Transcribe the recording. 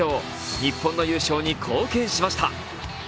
日本の優勝に貢献しました。